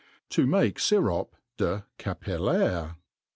r To make Sirop de Capillalre.